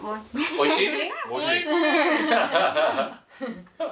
おいしい。